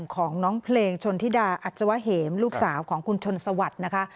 ของน้องเพลงชนธิดาอัศวะเหมลูกสาวของคุณชนสวัสดิ์นะคะ